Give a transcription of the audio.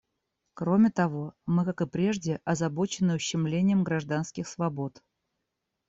Кроме того, мы, как и прежде, озабочены ущемлением гражданских свобод.